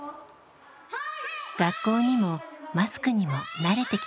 学校にもマスクにも慣れてきました。